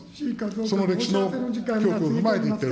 その歴史のを踏まえて言っている。